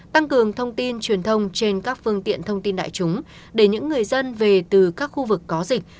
tăng cường thông tin truyền thông trên các phương tiện thông tin đại chúng để những người dân về từ các khu vực có dịch